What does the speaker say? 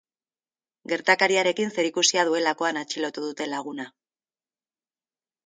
Gertakariarekin zerikusia duelakoan atxilotu dute laguna.